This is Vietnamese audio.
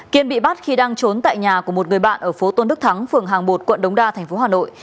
kiên bị bắt khi đang trốn tại nhà của một người bạn ở phố tôn đức thắng phường hàng bột quận đống đa tp hà nội